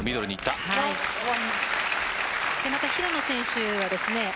平野選手はですね